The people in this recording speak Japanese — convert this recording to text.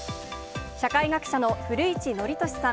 社会学者の古市憲寿さん。